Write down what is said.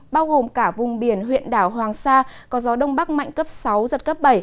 bao gồm cả vùng biển huyện đảo hoàng sa có gió đông bắc mạnh cấp sáu giật cấp bảy